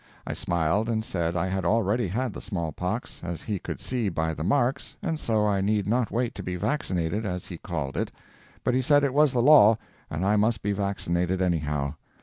I smiled and said I had already had the small pox, as he could see by the marks, and so I need not wait to be "vaccinated," as he called it. But he said it was the law, and I must be vaccinated anyhow.